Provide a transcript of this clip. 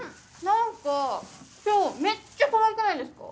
何か今日めっちゃかわいくないですか？